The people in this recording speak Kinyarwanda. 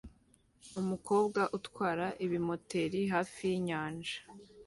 Umukobwa utwara ibimoteri hafi yinyanja